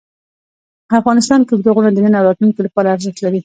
افغانستان کې اوږده غرونه د نن او راتلونکي لپاره ارزښت لري.